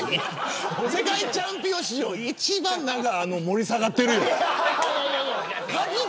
世界チャンピオン史上一番盛り下がってるよ。